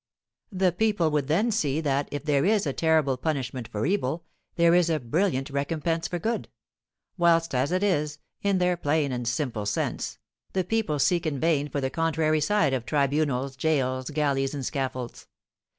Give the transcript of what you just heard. The people would then see that, if there is a terrible punishment for evil, there is a brilliant recompense for good; whilst as it is, in their plain and simple sense, the people seek in vain for the contrary side of tribunals, gaols, galleys, and scaffolds.